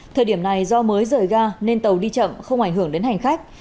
thời điểm này do mới rời ga nên tàu đi chậm không ảnh hưởng đến hành khách